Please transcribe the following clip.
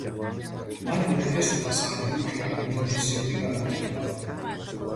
მათ უმეტესობას არ მიუღია ინდონეზიური განათლება.